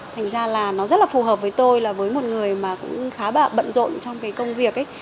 thành ra là nó rất là phù hợp với tôi là với một người mà cũng khá là bận rộn trong cái công việc ấy